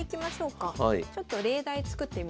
ちょっと例題作ってみますね。